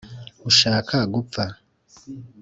ushaka gupfa